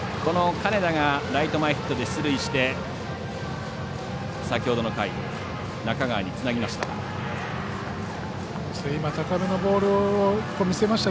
金田がライト前ヒットで出塁して先ほどの回中川につなぎました。